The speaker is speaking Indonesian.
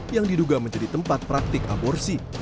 yang diduga menjadi tempat praktik aborsi